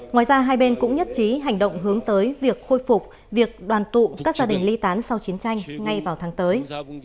ngoài ra hai bên cũng nhất trí hành động hướng tới việc khôi phục việc đoàn tụ các gia đình ly tán sau chiến tranh ngay vào tháng tới